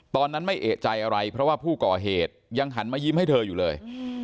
ตอนนั้นไม่เอกใจอะไรเพราะว่าผู้ก่อเหตุยังหันมายิ้มให้เธออยู่เลย